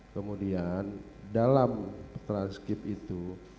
kemudian dalam transkip itu